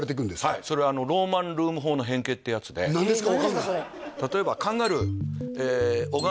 はいそれはローマンルーム法の変形ってやつで何ですか？